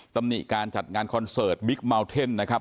ตำหนิการจัดงานคอนเสิร์ตบิ๊กเมาเทนนะครับ